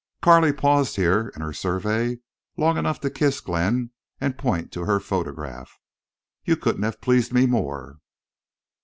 Carley paused here in her survey long enough to kiss Glenn and point to her photograph. "You couldn't have pleased me more."